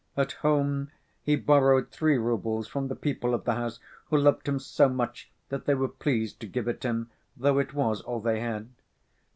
At home he borrowed three roubles from the people of the house, who loved him so much that they were pleased to give it him, though it was all they had.